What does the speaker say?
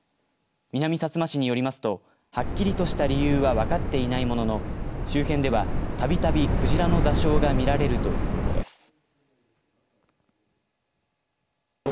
南さつま市によりますとはっきりとした理由は分かっていないものの周辺ではたびたびクジラの座礁が見られるということです。